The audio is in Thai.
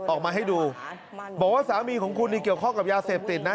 ออกมาให้ดูบอกว่าสามีของคุณนี่เกี่ยวข้องกับยาเสพติดนะ